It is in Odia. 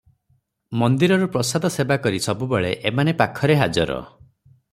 ମନ୍ଦିରରୁ ପ୍ରସାଦ ସେବା କରି ସବୁବେଳେ ଏମାନେ ପାଖରେ ହାଜର ।